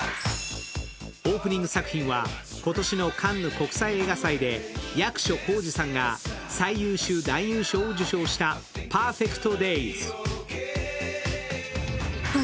オープニング作品は今年のカンヌ国際映画祭で役所広司さんが、最優秀男優賞を受賞した「ＰＥＲＦＥＣＴＤＡＹＳ」。